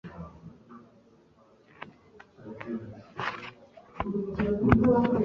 Impeta yo gusezerana kwa Gwyneth Paltrow kuva Chris Martin nimpeta ya Asscher ifite micro pave band band.